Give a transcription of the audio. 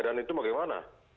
dan itu bagaimana